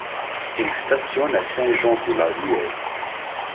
Ils stationnent à Saint-Jean de la Ruelle.